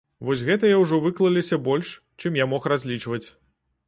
Вось гэтыя ўжо выклаліся больш, чым я мог разлічваць.